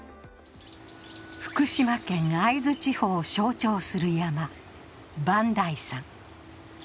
福島県会津地方を象徴する山、磐梯山。